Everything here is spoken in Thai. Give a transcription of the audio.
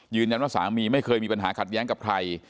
ยืนยันว่าสามีไม่เคยมีปัญหาขาดแย้งกับใคร